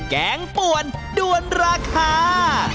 แกงป่วนด้วนราคา